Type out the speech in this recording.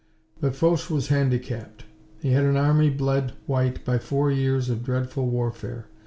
But Foch was handicapped. He had an army bled white by four years of dreadful warfare.